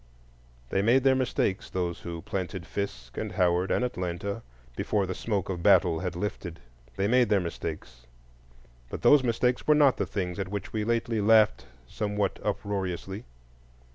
They made their mistakes, those who planted Fisk and Howard and Atlanta before the smoke of battle had lifted; they made their mistakes, but those mistakes were not the things at which we lately laughed somewhat uproariously.